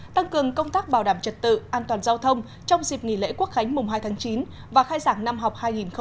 tăng cường công tác bảo đảm trật tự an toàn giao thông trong dịp nghỉ lễ quốc khánh mùng hai tháng chín và khai giảng năm học hai nghìn hai mươi hai nghìn hai mươi